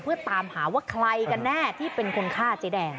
เพื่อตามหาว่าใครกันแน่ที่เป็นคนฆ่าเจ๊แดง